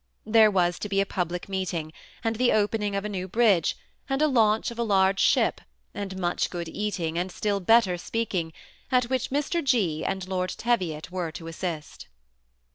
' There was to be a public meeting, and the opening of a new bridge, and a launch of a large ship, and milch good eating, and still better speaking, at which Mr. G. and Lord Teviot were to assist.